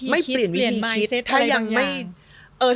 ไม่เปลี่ยนวิธีคิดไม่เปลี่ยนวิธีคิด